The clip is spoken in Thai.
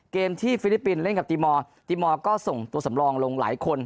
เกมที่ฟิลิปปินส์เล่นกับตีมอร์ตีมอร์ก็ส่งตัวสำรองลงหลายคน